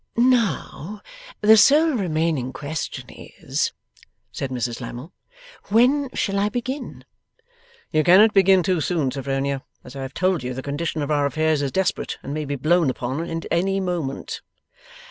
'Now, the sole remaining question is,' said Mrs Lammle, 'when shall I begin?' 'You cannot begin too soon, Sophronia. As I have told you, the condition of our affairs is desperate, and may be blown upon at any moment.